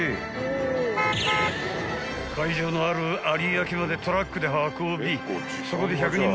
［会場のある有明までトラックで運びそこで１００人